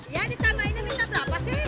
ya ditambahinnya minta berapa sih